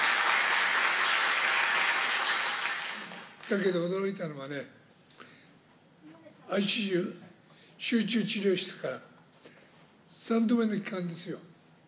だけど驚いたのはね、ＩＣＵ・集中治療室から、３度目の帰還ですよ。